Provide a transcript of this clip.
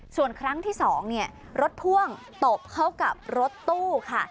ส่วนครั้งที่๒รถพ่วงตบเข้ากับรถตู้ค่ะ